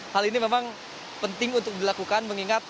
hal ini memang penting untuk dilakukan mengingat